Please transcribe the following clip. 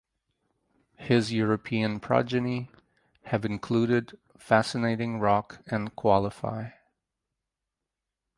His European progeny have included Fascinating Rock and Qualify.